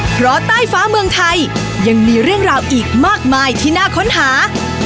เพราะใต้ฟ้าเมืองไทยยังมีเรื่องราวอีกมากมายที่น่าค้นหา